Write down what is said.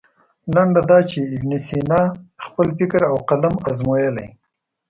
لنډه دا چې ابن سینا خپل فکر او قلم ازمویلی.